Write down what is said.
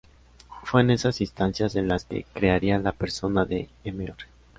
Fue en esas instancias en las que crearía la persona de Mr.